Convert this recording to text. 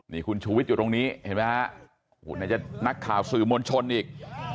นี่คุณชูวิทย์อยู่ตรงนี้เห็นไหมฮะไหนจะนักข่าวสื่อมวลชนอีก